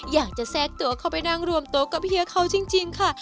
แทรกตัวเข้าไปนั่งรวมโต๊ะกับเฮียเขาจริงค่ะ